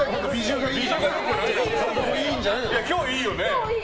今日いいよね。